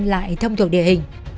lại thông thuộc địa hình